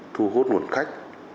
thu hút nguồn khách